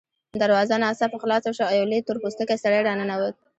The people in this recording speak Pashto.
دروازه ناڅاپه خلاصه شوه او یو لوی تور پوستکی سړی راننوت